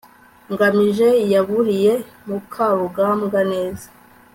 ngamije yaburiye mukarugambwa neza